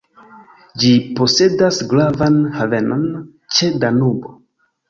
Ĝi posedas gravan havenon ĉe Danubo.